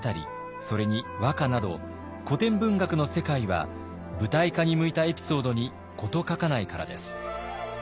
それに和歌など古典文学の世界は舞台化に向いたエピソードに事欠かないからです。